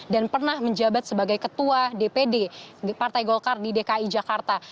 dan pernah menjabat sebagai ketua dpd partai golkar di dki jakarta